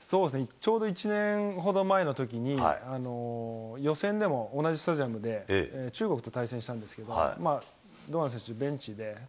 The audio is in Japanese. ちょうど１年ほど前のときに、予選でも同じスタジアムで中国と対戦したんですけど、堂安選手、ベンチで。